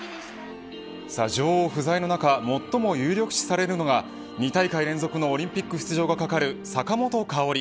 さあ女王不在の中最も有力視されるのが２大会連続のオリンピック出場が懸かる坂本花織。